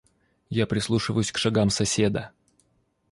Я прислушиваюсь к шагам соседа.